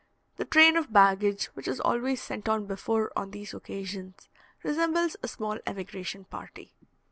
The train of baggage, which is always sent on before on these occasions, resembles a small emigration party.